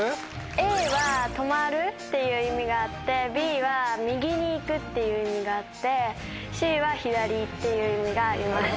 Ａは止まるっていう意味があってＢは右に行くっていう意味があってＣは左っていう意味があります。